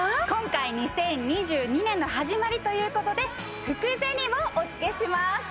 今回２０２２年の始まりということで福銭もおつけします